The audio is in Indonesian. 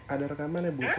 ada rekamannya ibu